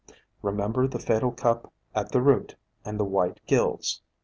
Remember the fatal cup at the root, and the white gills.